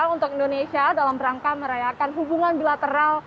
untuk indonesia dalam rangka merayakan hubungan bilateral